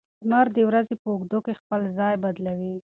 لمر د ورځې په اوږدو کې خپل ځای بدلوي.